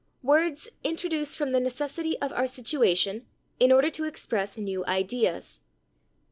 Words "introduced from the necessity of our situation, in order to express new ideas."